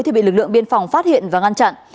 thì bị lực lượng biên phòng phát hiện và ngăn chặn